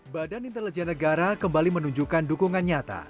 badan intelijen negara kembali menunjukkan dukungan nyata